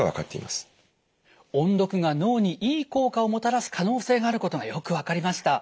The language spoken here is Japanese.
音読が脳にいい効果をもたらす可能性があることがよく分かりました。